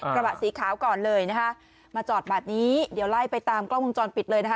กระบะสีขาวก่อนเลยนะคะมาจอดแบบนี้เดี๋ยวไล่ไปตามกล้องวงจรปิดเลยนะคะ